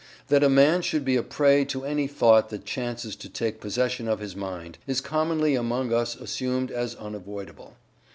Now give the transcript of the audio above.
That a man should be a prey to any thought that chances to take possession of his mind, is commonly among us assumed as unavoidable.